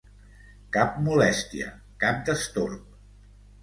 Cap molèstia, cap destorb.